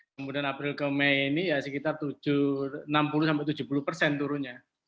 kemudian april ke mei ini ya sekitar enam puluh tujuh puluh persen turunnya